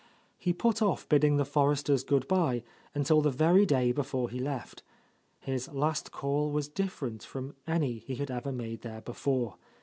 He put off bid ding the Forresters good bye until the very day before he left. His last call was different from any he had ever made there before.